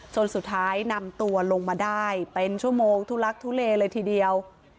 สุดท้ายนำตัวลงมาได้เป็นชั่วโมงทุลักทุเลเลยทีเดียว